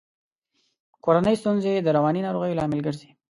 کورنۍ ستونزي د رواني ناروغیو لامل ګرزي.